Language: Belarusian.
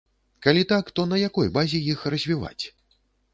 Калі так, то на якой базе іх развіваць?